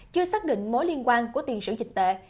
chưa xác định mối liên quan của tiền sử dịch tệ